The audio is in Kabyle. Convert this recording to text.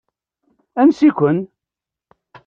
Ansi-ken?